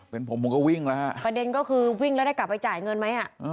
เป็นผมผมก็วิ่งแล้วฮะประเด็นก็คือวิ่งแล้วได้กลับไปจ่ายเงินไหมอ่ะ